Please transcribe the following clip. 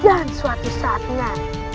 dan suatu saatnya